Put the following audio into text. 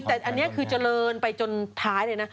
แต่อันนี้คือเจริญไปจนท้ายเลยนะ